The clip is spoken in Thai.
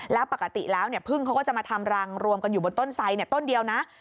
แล้วปกติแล้วเนี่ยพึ่งเขาก็จะมาทำรังรวมกันอยู่บนต้นไซดต้นเดียวนะ